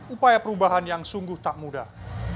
upaya perubahan yang sungguh tak mudah